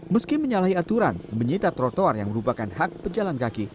meski menyalahi aturan menyita trotoar yang merupakan hak pejalan kaki